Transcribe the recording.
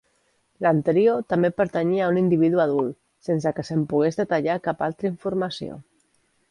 L'anterior també pertanyia a un individu adult sense que se'n pogués detallar cap altra informació.